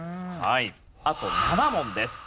あと７問です。